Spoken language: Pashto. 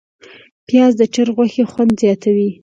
پیاز د چرګ غوښې خوند زیاتوي